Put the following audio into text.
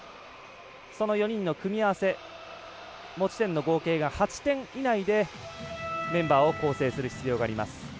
その４人の組み合わせ持ち点の合計が８点以内でメンバーを構成する必要があります。